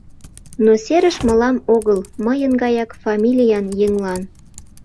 Но серыш мылам огыл, мыйын гаяк фамилиян еҥлан.